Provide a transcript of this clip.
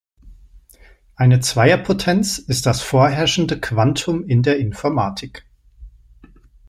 Eine Zweierpotenz ist das vorherrschende Quantum in der Informatik.